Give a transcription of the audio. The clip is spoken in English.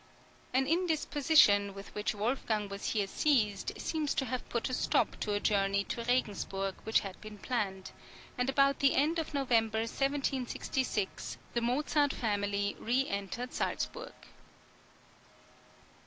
An indisposition with which Wolfgang was here seized seems to have put a stop to a journey to Regensburg which had been planned, and about the end of November, 1766, the Mozart family re entered Salzburg.